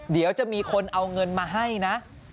เดี๋ยวจะมีคนเอาเงินมาให้นะ